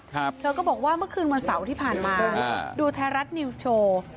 เธอก็บอกว่าเมื่อคืนวันเสาร์ที่ผ่านมาอ่าดูไทยรัฐนิวส์โชว์